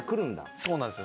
そうなんですよ。